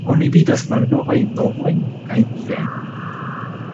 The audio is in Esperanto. Oni vidas malnovajn domojn kaj bienojn.